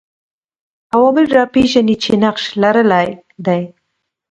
عوامل راپېژني چې نقش لرلای دی